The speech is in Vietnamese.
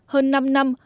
hơn năm năm